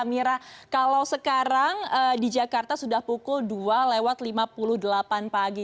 mira kalau sekarang di jakarta sudah pukul dua lewat lima puluh delapan pagi